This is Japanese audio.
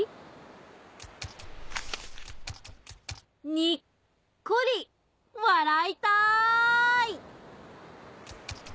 にっこりわらいたーい！